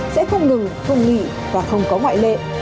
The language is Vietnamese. sẽ không ngừng không nghỉ và không có ngoại lệ